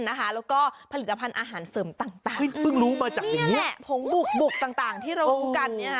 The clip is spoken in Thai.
แล้วก็ผลิตภัณฑ์อาหารเสริมต่างนี่แหละผงบุกบุกต่างที่เรารู้กันนี่